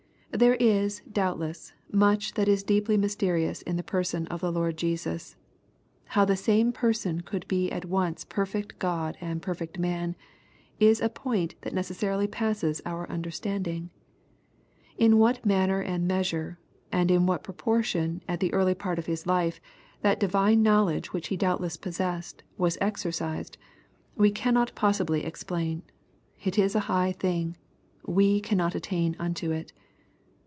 There is, doubtless, much that is deeply mysterious in the Person of the Lord Jesus. How the same Person could be at once perfect God and perfect man, is a point that necessarily passes our understanding. In what manner and measure, and in what proportion at the early part of His life, that divine knowledge which He doubtless possessed, was exercised, we cannot possibly explain. It is a high thiirg. We cannot attain unto it.